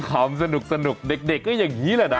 คำสนุกเด็กก็อย่างนี้แหละนะ